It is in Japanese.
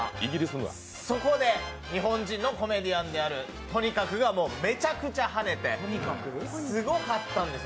そこで日本人のコメディアンであるＴｏｎｉｋａｋｕがめちゃくちゃはねてすごかったんですよ。